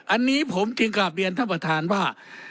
อันนี้ผมจึงกลับเรียนท่านประธานว่า